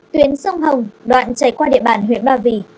tuyến sông hồng đoạn chảy qua địa bàn huyện ba vì